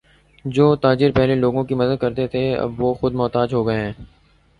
جو تاجر پہلے لوگوں کی مدد کرتے تھے وہ اب خود محتاج ہوگئے ہیں